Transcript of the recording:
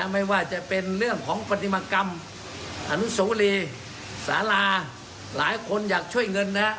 ไม่ว่าจะเป็นเรื่องของปฏิมากรรมอนุโสรีสาราหลายคนอยากช่วยเงินนะฮะ